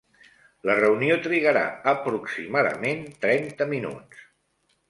La reunió trigarà aproximadament trenta minuts.